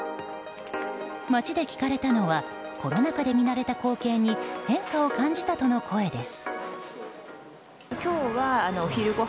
街で聞かれたのはコロナ禍で見慣れた光景に変化を感じたとの声です。